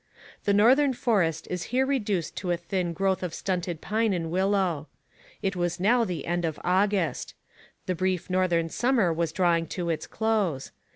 The northern forest is here reduced to a thin growth of stunted pine and willow. It was now the end of August. The brief northern summer was drawing to its close.